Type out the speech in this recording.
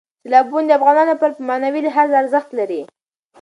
سیلابونه د افغانانو لپاره په معنوي لحاظ ارزښت لري.